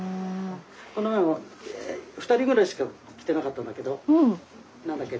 この前も２人ぐらいしか来てなかったんだけど何だっけ